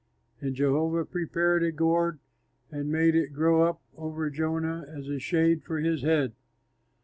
And Jehovah prepared a gourd and made it grow up over Jonah as a shade for his head.